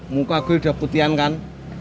mukaku udah putian kan